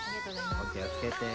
お気を付けて。